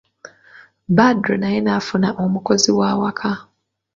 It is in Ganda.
Badru naye n'afuna omukozi w'awaka.